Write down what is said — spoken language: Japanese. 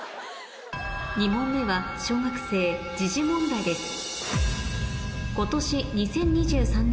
２問目は小学生時事問題ですそうですよね。